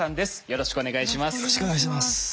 よろしくお願いします。